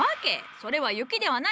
それは雪ではない。